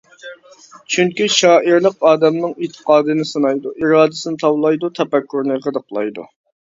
چۈنكى شائىرلىق ئادەمنىڭ ئېتىقادىنى سىنايدۇ، ئىرادىسىنى تاۋلايدۇ، تەپەككۇرىنى غىدىقلايدۇ.